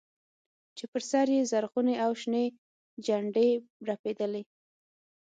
چې پر سر يې زرغونې او شنې جنډې رپېدلې.